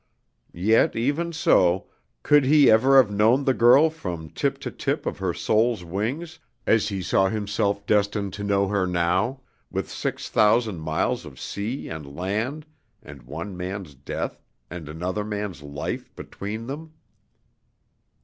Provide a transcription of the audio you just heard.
Yet even so, could he ever have known the girl from tip to tip of her soul's wings, as he saw himself destined to know her now, with six thousand miles of sea and land and one man's death and another man's life between them?